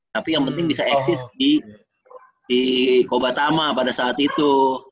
tapi yang penting bisa eksis di kobatama pada saat itu